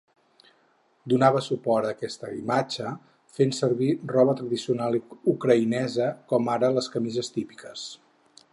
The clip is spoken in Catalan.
Donava suport a aquesta imatge, fent servir roba tradicional ucraïnesa com ara les camises típiques.